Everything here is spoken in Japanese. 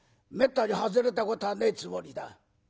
めったに外れたことはねえつもりだ。